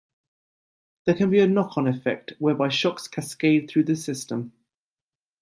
There can be a knock-on effect, whereby shocks cascade through the system.